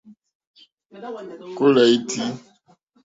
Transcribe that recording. Kólà ítí.